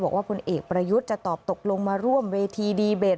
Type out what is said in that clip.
พลเอกประยุทธ์จะตอบตกลงมาร่วมเวทีดีเบต